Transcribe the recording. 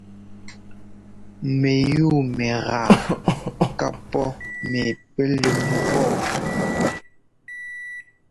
Mɛyúu mɛgaa ká pɔ́ mɛ pɛlʉ́m pɔ́.